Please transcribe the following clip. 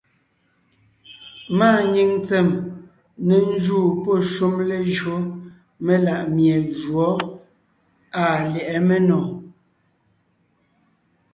Máa nyìŋ tsèm ne njúu pɔ́ shúm léjÿo melaʼmie jǔɔ àa lyɛ̌ʼɛ ménò.